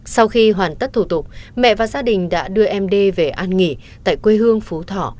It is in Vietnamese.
sau khi hoàn tất thủ tục mẹ và gia đình đã đưa em d về an nghỉ tại quê hương phú thọ